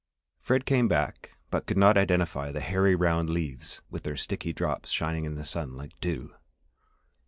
Fred came back but could not identify the hairy round leaves with their sticky drops shining in the sun like dew.